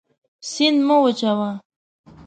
سیند مه وچوه.